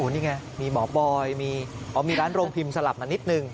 นี่ไงมีหมอบอยมีร้านโรงพิมพ์สลับมานิดนึง